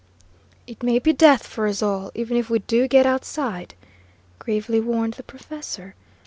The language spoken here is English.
"It may be death for us all, even if we do get outside," gravely warned the professor.